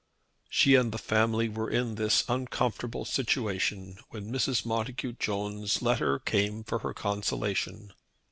She and the family were in this uncomfortable condition when Mrs. Montacute Jones' letter came for her consolation.